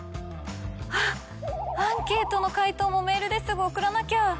あっアンケートの回答もメールですぐ送らなきゃ！